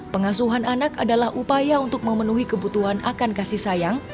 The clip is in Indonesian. pengasuhan anak adalah upaya untuk memenuhi kebutuhan akan kasih sayang